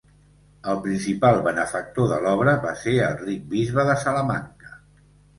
El principal benefactor de l'obra va ser el ric bisbe de Salamanca.